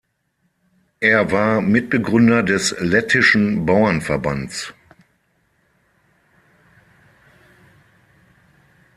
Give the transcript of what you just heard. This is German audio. Er war Mitbegründer des Lettischen Bauernverbands.